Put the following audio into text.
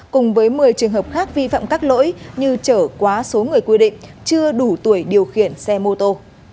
cùng với một mươi trường hợp khác vi phạm các lỗi như chở quá số người quy định chưa đủ tuổi điều khiển xe mô tô